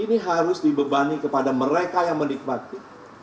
ini harus dibebani kepada mereka yang menikmati